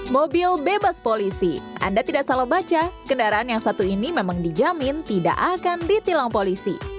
mobil bebas polisi anda tidak salah baca kendaraan yang satu ini memang dijamin tidak akan ditilang polisi